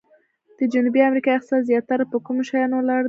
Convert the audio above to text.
د جنوبي امریکا اقتصاد زیاتره په کومو شیانو ولاړ دی؟